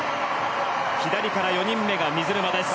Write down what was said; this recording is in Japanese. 左から４人目が水沼です。